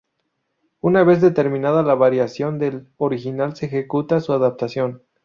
Una vez determinada la variación del original se ejecuta su adaptación.